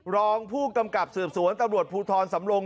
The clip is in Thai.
รองผู้กำกับสืบสวนตำรวจภูทรสำรง